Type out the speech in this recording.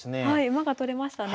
馬が取れましたね